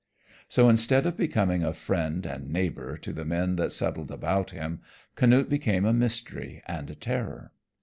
So instead of becoming a friend and neighbor to the men that settled about him, Canute became a mystery and a terror.